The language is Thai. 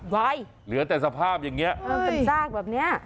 ไว้เหลือแต่สภาพอย่างเงี้ยเอ้ยเป็นสร้างแบบเนี้ย